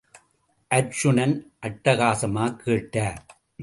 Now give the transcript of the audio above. அர்ச்சுனன், அட்டகாசமாகக் கேட்டார்.